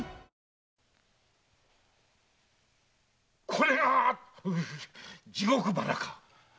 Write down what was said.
これが地獄花か！